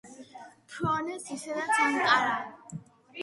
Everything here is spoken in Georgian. ფრონეს ისედაც ანკარა